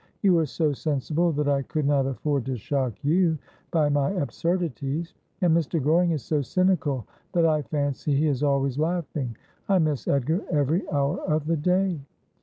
You are so sensible that I could not afford to shock you by my absurdities ; and Mr. Goring is so cynical that I fancy he is always laughing. I miss Edgar every hour of the day.'